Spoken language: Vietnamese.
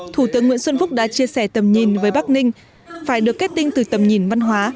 thủ tướng nguyễn xuân phúc đã chia sẻ tầm nhìn với bắc ninh phải được kết tinh từ tầm nhìn văn hóa